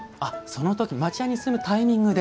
その時町家に住むタイミングで？